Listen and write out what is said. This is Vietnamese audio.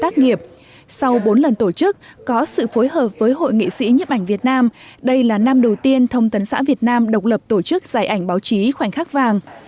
kỹ thuật nghiệp sau bốn lần tổ chức có sự phối hợp với hội nghị sĩ nhiếp ảnh việt nam đây là năm đầu tiên thông tấn xã việt nam độc lập tổ chức giải ảnh báo chí khoảnh khắc vàng